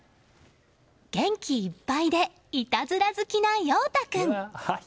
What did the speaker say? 元気いっぱいでいたずら好きな陽大君。